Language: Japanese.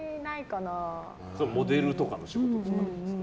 モデルとかの仕事でも？